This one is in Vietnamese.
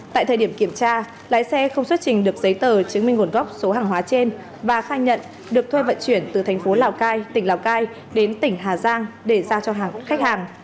tại thời điểm kiểm tra lái xe không xuất trình được giấy tờ chứng minh nguồn gốc số hàng hóa trên và khai nhận được thuê vận chuyển từ thành phố lào cai tỉnh lào cai đến tỉnh hà giang để giao cho hàng khách hàng